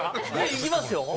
いきますよ。